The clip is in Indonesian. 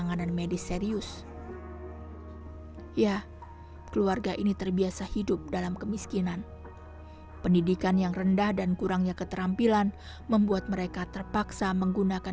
gabah yang terkumpul hari ini lumayan banyak